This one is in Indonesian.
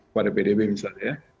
pada pdb misalnya